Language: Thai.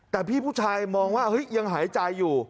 แต่พี่ผู้ชายมองว่าเฮ้ยยังหายใจอยู่